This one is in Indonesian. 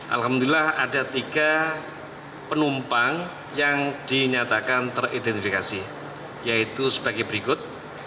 alhamdulillah ada tiga penumpang yang dinyatakan teridentifikasi yaitu sebagai berikut